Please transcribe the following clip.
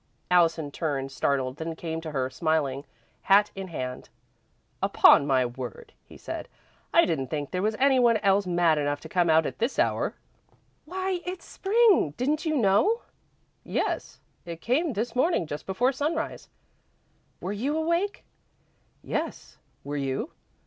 Allison turned, startled, then came to her, smiling, hat in hand. "Upon my word," he said. "I didn't think there was anyone else mad enough to come out at this hour." "Why it's Spring! Didn't you know?" "Yes. It came this morning just before sunrise." "Were you awake?" "Yes, were you?"